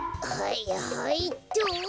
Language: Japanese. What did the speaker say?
はいはいっと。